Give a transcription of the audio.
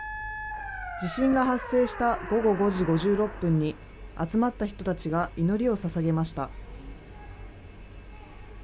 地震が発生した午後５時５６分に集まった人たちが祈りをささげました。